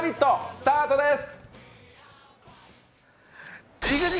スタートです！